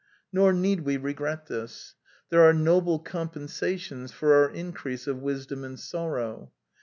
Nor need we regret this: there are noble compensations for our increase of wisdom and sorrow.